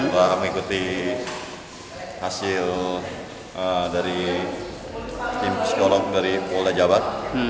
bahwa mengikuti hasil dari tim psikolog dari pola jabat